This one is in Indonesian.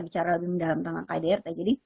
bicara lebih mendalam tentang kdrt jadi